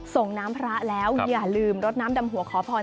ส่งน้ำพระแล้วอย่าลืมรดน้ำดำหัวขอพร